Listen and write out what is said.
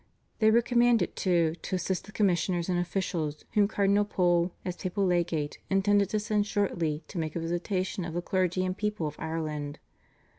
They were commanded, too, to assist the commissioners and officials whom Cardinal Pole as papal legate intended to send shortly to make a visitation of the clergy and people of Ireland.